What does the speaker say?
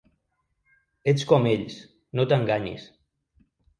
Ets com ells, no t’enganyis.